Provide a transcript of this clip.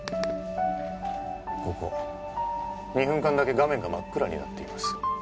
ここ２分間だけ画面が真っ暗になっています